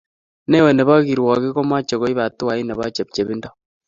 neo nebo kirwogik komache koib hatuait nebo chepchepindo